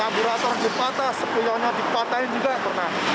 carburator dipatas sepuluhnya dipatahin juga pernah